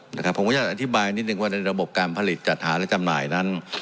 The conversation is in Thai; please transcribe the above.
ผมก็อยากอธิบายนิดนึงว่าในระบบการผลิตจัดหาและจำหน่ายนั้น